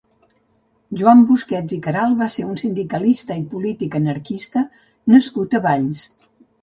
Joan Busquets i Queralt va ser un sindicalista i polític anarquista nascut a Valls.